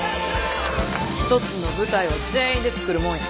一つの舞台は全員で作るもんや。